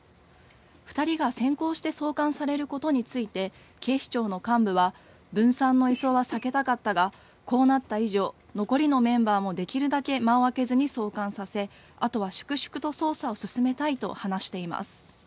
２人が先行して送還されることについて警視庁の幹部は分散の移送は避けたかったがこうなった以上残りのメンバーもできるだけ間を空けずに送還させ、あとは粛々と捜査を進めたいと話しています。